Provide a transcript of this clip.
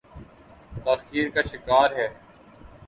تاخیر کا شکار ہے۔